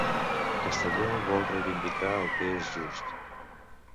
Castelló vol reivindicar el que és just.